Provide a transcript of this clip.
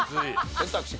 選択肢